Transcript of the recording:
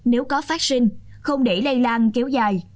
nếu có phát sinh không để lây lan kéo dài